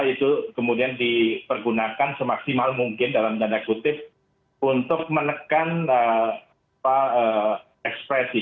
itu kemudian dipergunakan semaksimal mungkin dalam tanda kutip untuk menekan ekspresi